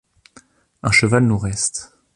Un cheval nous reste.